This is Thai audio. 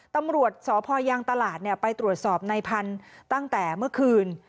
ตำรวจสพยางตลาดไปตรวจสอบในพันธุ์ตั้งแต่เมื่อคืน